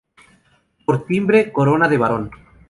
Por timbre, corona de barón.